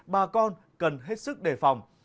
bà con cần hết sức đề phòng